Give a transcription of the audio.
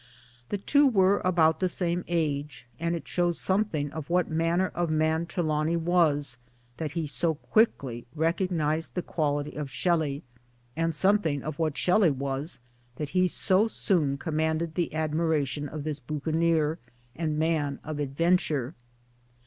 The two were about the same age ; and it shows something of what manner of man Trelawny was, that he so quickly recognized the quality of Shelley ; and some thing of what Shelley was that he so soon commanded the admiration of this buccaneer and man of adven ture.